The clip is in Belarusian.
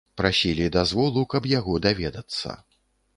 Прасілі дазволу, каб яго даведацца.